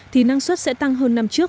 thì năng suất sẽ tăng hơn năm trước